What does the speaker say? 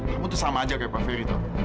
kamu tuh sama aja kayak pak ferry